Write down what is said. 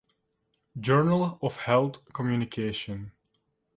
Journal of Health Communication.